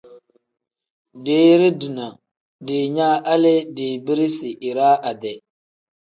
Deere dina diinyaa hali dibirisi iraa ade.